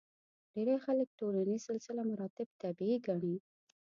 ډېری خلک ټولنیز سلسله مراتب طبیعي ګڼي.